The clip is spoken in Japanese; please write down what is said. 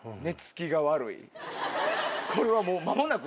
これはもう。